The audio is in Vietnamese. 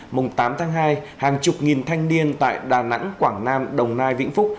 mùng tám tháng hai hàng chục nghìn thanh niên tại đà nẵng quảng nam đồng nai vĩnh phúc